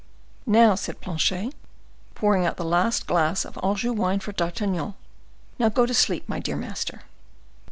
"Now," said Planchet, pouring out the last glass of Anjou wine for D'Artagnan,—"now go to sleep, my dear master."